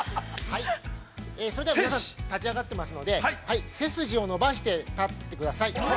◆それでは皆さん、立ち上がってますので背筋を伸ばして立ってください。